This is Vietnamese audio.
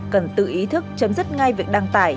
cần tự ý thức chấm dứt ngay việc đăng tải